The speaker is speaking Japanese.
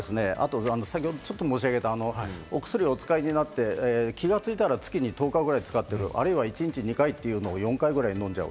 それから、先ほど申し上げたお薬をお使いになって、気がついたら月に１０日ぐらい使ってる、あるいは一日２回というのを４回ぐらい飲んじゃう。